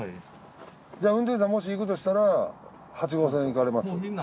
じゃあ運転手さんもし行くとしたら８号線行かれます？